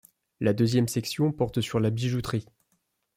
La deuxième section porte sur la bijouterie.